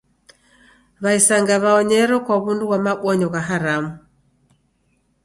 W'aisanga w'aonyero kwa w'undu ghwa mabonyo gha haramu.